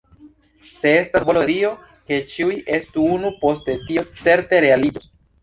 Se estas volo de Dio, ke ĉiuj estu unu, poste tio certe realiĝos.